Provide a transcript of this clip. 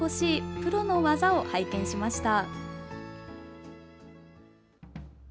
プロの技を拝見しました。